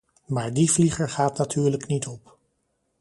Maar die vlieger gaat natuurlijk niet op.